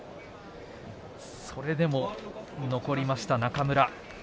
それでも残りました中村。